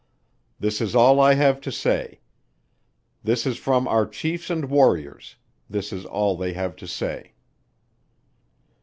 "This is all I have to say. This is from our Chiefs and Warriors, this is all they have to say."